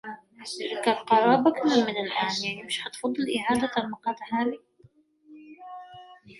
چکار قراره بکنم من الان؟